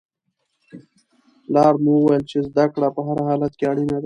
پلار مې وویل چې زده کړه په هر حالت کې اړینه ده.